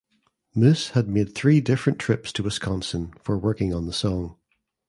Moose had made three different trips to Wisconsin for working on the song.